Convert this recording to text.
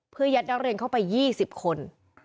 เพื่อยัดนักเรียนเข้าไป๒๐คน